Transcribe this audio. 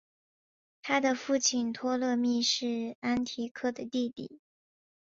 他的父亲托勒密是安提柯的弟弟。